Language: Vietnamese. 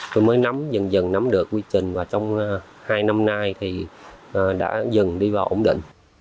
tôi mới nắm dần dần nắm được quy trình và trong hai năm nay thì đã dần đi vào ổn định